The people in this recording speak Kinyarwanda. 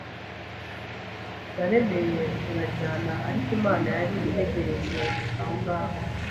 naremeye turajyana ariko Imana yari integerereje ahongaho,